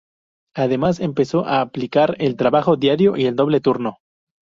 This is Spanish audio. Además empezó a aplicar el trabajo diario y el doble turno.